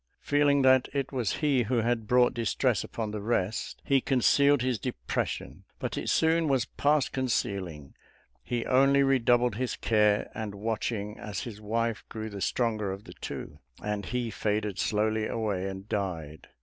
Feeling that it was he who had brought distress upon the rest, he concealed his depression, but it soon was past concealing; he only redoubled his care and watching as his wife grew the stronger of the two; and he faded slowly away and died.